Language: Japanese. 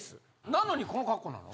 なのにこの格好なの？